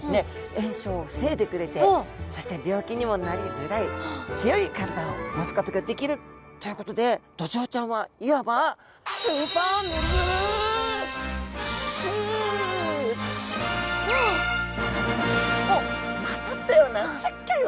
炎症を防いでくれてそして病気にもなりづらい強い体を持つことができるということでドジョウちゃんはいわばお！をまとったようなすっギョいお魚なんですね。